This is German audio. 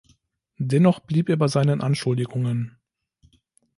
Dennoch blieb er bei seinen Anschuldigungen.